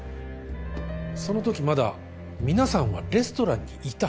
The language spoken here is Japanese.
そのときまだ皆さんはレストランにいた。